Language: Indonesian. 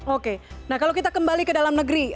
oke nah kalau kita kembali ke dalam negeri